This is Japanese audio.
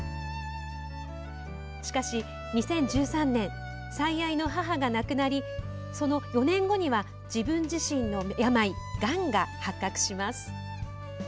しかし、２０１３年最愛の母が亡くなりその４年後には、自分自身の病がんが発覚します。